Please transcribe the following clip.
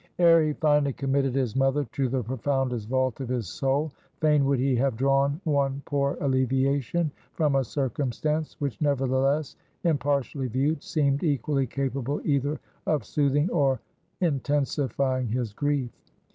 Ere he finally committed his mother to the profoundest vault of his soul, fain would he have drawn one poor alleviation from a circumstance, which nevertheless, impartially viewed, seemed equally capable either of soothing or intensifying his grief.